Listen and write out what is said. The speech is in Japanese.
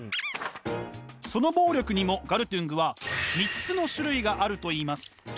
その暴力にもガルトゥングは３つの種類があると言います！